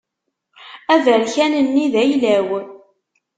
Aberkan-nni d ayla-w.